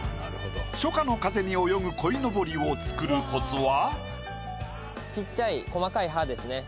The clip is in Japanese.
初夏の風に泳ぐ鯉のぼりを作るコツは？